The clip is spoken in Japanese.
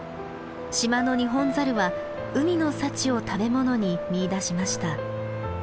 島のニホンザルは海の幸を食べ物に見いだしました。